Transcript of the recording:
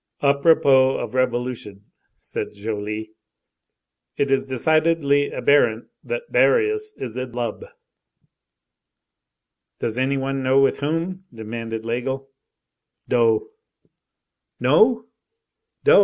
"À propos of revolution," said Joly, "it is decidedly abberent that Barius is in lub." "Does any one know with whom?" demanded Laigle. "Do." "No?" "Do!